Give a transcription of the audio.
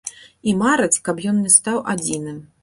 І мараць, каб ён не стаў адзіным.